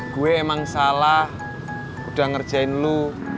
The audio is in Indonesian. gue emang salah udah ngerjain lu